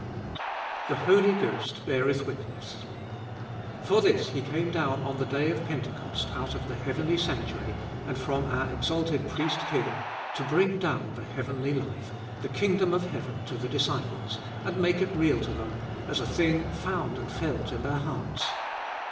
2. The Holy Ghost beareth witness. For this He came down on the day of Pentecost out of the heavenly sanctuary and from our exalted Priest King, to bring down the heavenly life, the king dom of heaven to the disciples, and make it real to them, as a thing found and felt in their hearts.